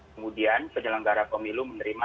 kemudian penyelenggara pemilu menerima